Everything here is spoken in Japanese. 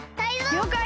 りょうかい！